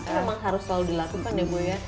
memang harus selalu dilakukan ya bu ya